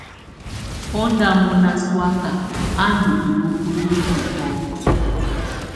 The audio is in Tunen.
Ɔ ndá mɔná sɔaka a ndɔ ilúkuluku ɔ́k.